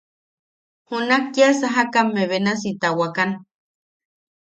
Junak kia sajakame benasi tawakan.